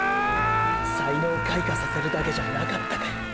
才能開花させるだけじゃなかったかよ。